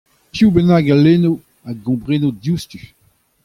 Piv bennak a lenno a gompreno diouzhtu.